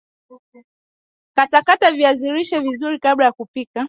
Katakata viazi lishe vizuri kabla ya kupika